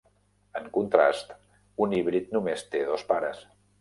En contrast, un hibrid només té dos pares.